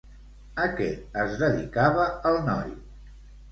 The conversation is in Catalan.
A què es dedicava el noi?